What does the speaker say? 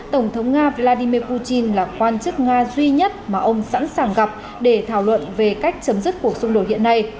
tổng thống nga vladimir putin là quan chức nga duy nhất mà ông sẵn sàng gặp để thảo luận về cách chấm dứt cuộc xung đột hiện nay